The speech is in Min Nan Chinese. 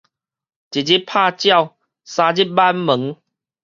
一日拍鳥，三日挽毛